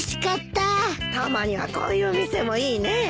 たまにはこういうお店もいいね。